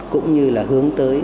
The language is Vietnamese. cũng như là hướng tới